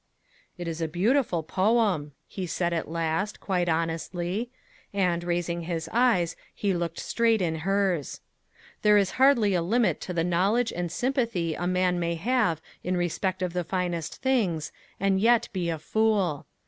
"It is a beautiful poem," he said at last, quite honestly; and, raising his eyes, he looked straight in hers. There is hardly a limit to the knowledge and sympathy a man may have in respect of the finest things, and yet be a fool.